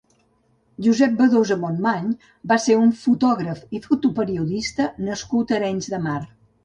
Josep Badosa Montmany va ser un fotògraf i fotoperiodista nascut a Arenys de Mar.